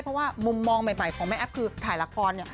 เพราะว่ามุมมองใหม่ของแม่แอฟคือถ่ายละครเนี่ย